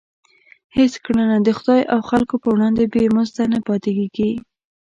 هېڅ کړنه د خدای او خلکو په وړاندې بې مزده نه پاتېږي.